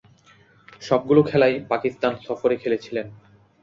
সবগুলো খেলাই পাকিস্তান সফরে খেলেছিলেন।